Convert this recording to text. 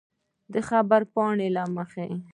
د خبرپاڼې له مخې